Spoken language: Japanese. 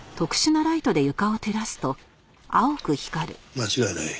間違いない。